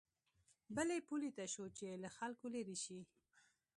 بلې پولې ته شو چې له خلکو لېرې شي.